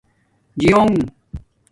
جیونگ